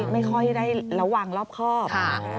ไม่ค่อยได้ระวังรอบครอบ